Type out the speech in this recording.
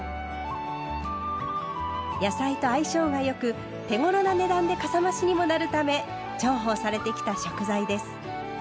野菜と相性が良く手ごろな値段でかさ増しにもなるため重宝されてきた食材です。